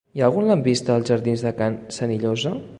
Hi ha algun lampista als jardins de Can Senillosa?